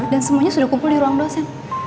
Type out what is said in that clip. dan semuanya sudah kumpul di ruang dosen